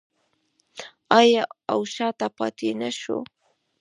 آیا او شاته پاتې نشو؟